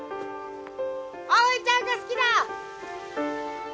葵ちゃんが好きだ！